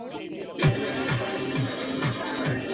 Lutz le lleva de nuevo a una habitación de hotel.